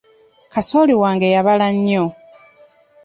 Kasooli wange yabala nnyo.